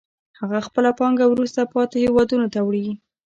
هغه خپله پانګه وروسته پاتې هېوادونو ته وړي